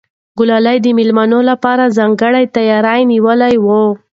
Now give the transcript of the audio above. ګلالۍ د مېلمنو لپاره ځانګړی تیاری نیولی و.